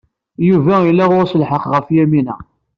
Yuba yella ɣur-s lḥeq ɣef Yamina.